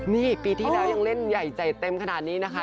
นี่ปีที่แล้วยังเล่นใหญ่ใจเต็มขนาดนี้นะคะ